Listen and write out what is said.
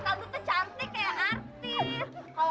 tante tuh cantik kayak artis